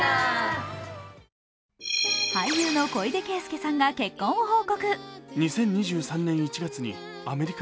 俳優の小出恵介さんが結婚を報告。